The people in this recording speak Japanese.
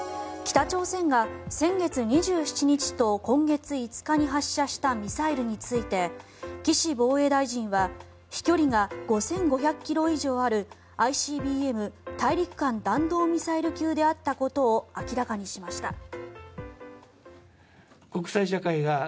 北朝鮮が先月２７日と今月５日に発射したミサイルについて岸防衛大臣は飛距離が５５００ｋｍ以上あるＩＣＢＭ・大陸間弾道ミサイル級であったことを明らかにしました。